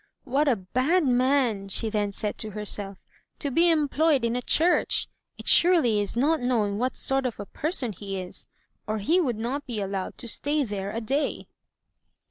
"What a bad man/' she then said to herself, "to be employed in a church! It surely is not known what sort of a person he is, or he would not be allowed to stay there a day!